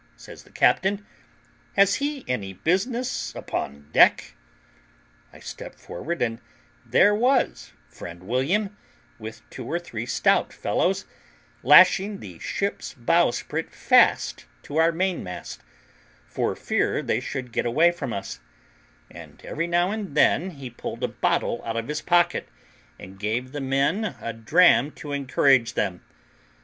says the captain; "has he any business upon, deck?" I stepped forward, and there was friend William, with two or three stout fellows, lashing the ship's bowsprit fast to our mainmast, for fear they should get away from us; and every now and then he pulled a bottle out of his pocket, and gave the men a dram to encourage them.